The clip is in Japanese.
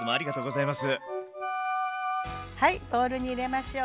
はいボウルに入れましょう。